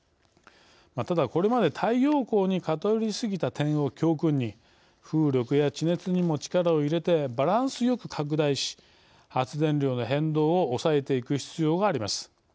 ただ、これまで太陽光に偏り過ぎた点を教訓に風力や地熱にも力を入れてバランスよく拡大し発電量の変動を抑えていく必要があります。